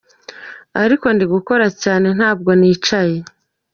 Ariko ndi gukora cyane ntabwo nicaye.